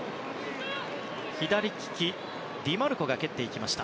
左利きのディマルコが蹴っていきました。